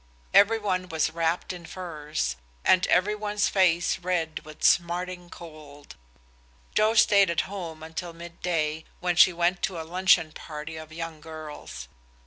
Every one was wrapped in furs, and every one's face was red with the smarting cold. Joe stayed at home until mid day, when she went to a luncheon party of young girls.